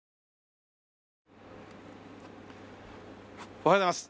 おはようございます。